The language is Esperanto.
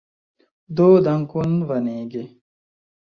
Do dankon Vanege.